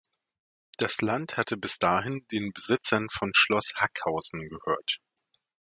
Das Land hatte bis dahin den Besitzern von Schloss Hackhausen gehört.